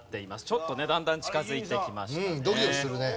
ちょっとねだんだん近づいてきましたね。